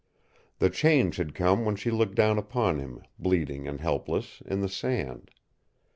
The change had come when she looked down upon him, bleeding and helpless, in the sand.